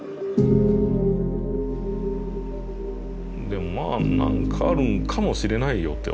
でもまあ何かあるんかもしれないよって。